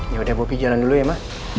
yaudah bobby jalan dulu ya ma